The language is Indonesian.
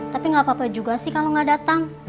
tapi gak apa apa juga sih kalau nggak datang